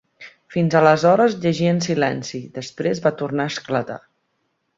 Fins aleshores, llegia en silenci; després va tornar a esclatar.